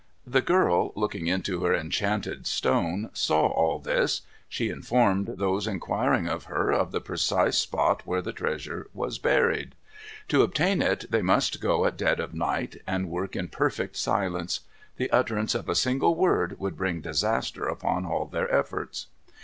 The girl, looking into her enchanted stone, saw all this. She informed those inquiring of her, of the precise spot where the treasure was buried. To obtain it they must go at dead of night, and work in perfect silence. The utterance of a single word would bring disaster upon all their efforts.